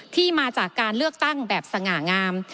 ที่มาจากการเลือกตั้งแบบสง่างาม